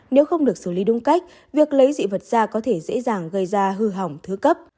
nếu không được xử lý đúng cách việc lấy dị vật ra có thể dễ dàng gây ra hư hỏng thứ cấp